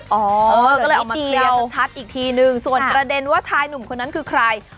ก็เลยเอามาเคลียร์ชัดอีกทีนึงส่วนประเด็นว่าชายหนุ่มคนนั้นคือใคร